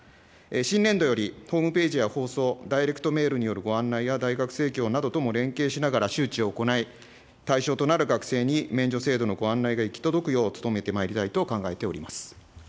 新年度より、ホームページや放送、ダイレクトメールによるご案内や大学生協などとも連携しながら周知を行い、対象となる学生に免除制度のご案内が行き届くよう、努めてまいりたいと考えております。